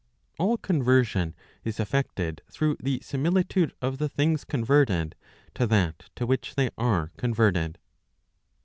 All conversion is effected through the similitude of the things converted to that to which they are converted.